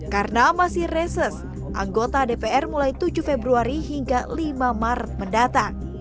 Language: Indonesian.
karena masih reses anggota dpr mulai tujuh februari hingga lima maret